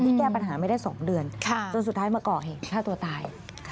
ที่แก้ปัญหาไม่ได้๒เดือนจนสุดท้ายมาเกาะเห็น๕ตัวตาย